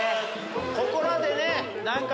ここらでね何か。